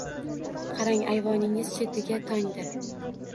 Qarang, ayvoningiz chetiga tongda